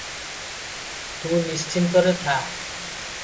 ତୁ ନିଶ୍ଚିନ୍ତରେ ଥା ।"